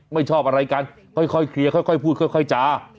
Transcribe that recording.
ไม่ชอบอะไรกันค่อยค่อยเคลียร์ค่อยค่อยพูดค่อยค่อยจ่า